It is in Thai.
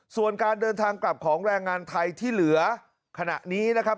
ส่วนการเดินทางกลับของแรงงานไทยที่เหลือขณะนี้นะครับ